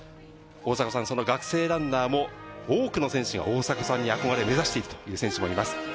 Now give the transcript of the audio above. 大迫さん、学生ランナーも多くの選手が大迫さんに憧れ、目指しているという選手もいます。